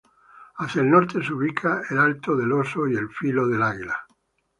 Hacia el Norte se ubica el Alto Del Oso y el Filo El Águila.